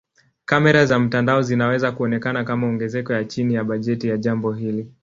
Kamera za mtandao zinaweza kuonekana kama ongezeko ya chini ya bajeti ya jambo hili.